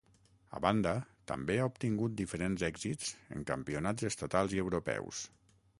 A banda, també ha obtingut diferents èxits en campionats estatals i europeus.